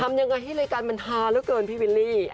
ทำยังไงให้รายการมันฮาเหลือเกินพี่วิลลี่